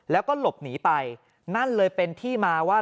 แล้วก็หลบหนีไปนั่นเลยเป็นที่มาว่า